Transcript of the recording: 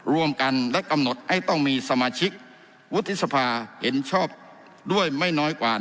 รวมกันและกำหนดให้ต้องมีสมาชิกวุฒิสภาเห็นชอบด้วยไม่น้อยกว่า